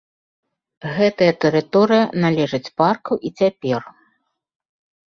Гэтая тэрыторыя належыць парку і цяпер.